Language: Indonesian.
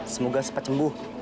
semoga sempat cembuh